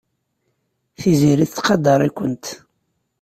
Tiziri tettqadar-ikent.